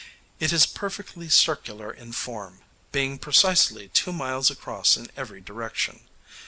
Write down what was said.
It is perfectly circular in form, being precisely two miles across in every direction.